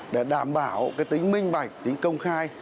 để đảm bảo tính minh mạnh tính công khai